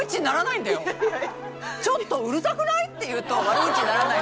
「ちょっとうるさくない？」って言うと悪口にならない。